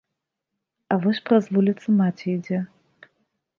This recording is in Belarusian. А вось праз вуліцу маці ідзе.